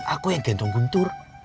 aku yang gantung guntur